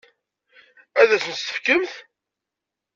Ad asent-tt-tefkemt?